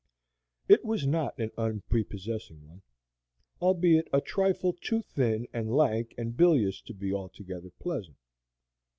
It was not an unprepossessing one, albeit a trifle too thin and lank and bilious to be altogether pleasant.